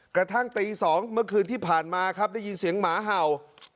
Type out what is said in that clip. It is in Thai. กระทั่งตี๒เมื่อคืนที่ผ่านมาครับได้ยินเสียงหมาเห่า